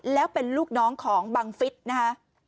แล้วเป็นลูกน้องของบังฟิศนะคะ